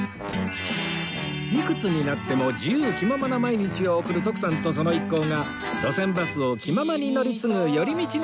いくつになっても自由気ままな毎日を送る徳さんとその一行が路線バスを気ままに乗り継ぐ寄り道の旅